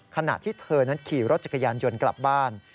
ขณะที่เธอนั้นขี่รถจักรยานยนต์กลับบ้าน